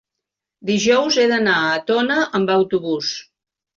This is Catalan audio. dijous he d'anar a Tona amb autobús.